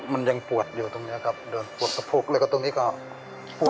มันยังปวดอยู่ตรงนี้ครับโดนปวดสะโพกแล้วก็ตรงนี้ก็ปวด